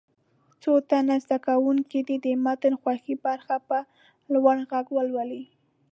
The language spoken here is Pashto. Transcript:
څو تنه زده کوونکي دې د متن خوښې برخه په لوړ غږ ولولي.